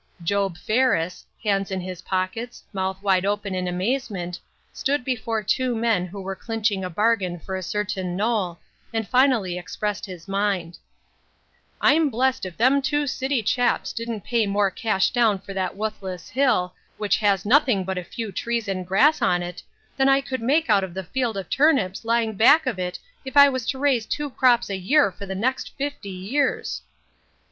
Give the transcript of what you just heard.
Job Fer ris, hands in his pockets, mouth wide open in amazement, stood before two men who were clinching a bargain for a certain knoll, and finally expressed his mind :— "I'm blest if them two city chaps didn't pay more cash down for that wuthless hill, which has nothing but a few trees and grass on it, than I could make out of the field of turnips lying back of it if I was to raise two crops a year for the next fifty years